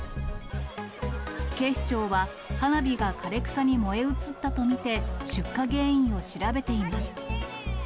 警視庁は、花火が枯れ草に燃え移ったと見て、出火原因を調べています。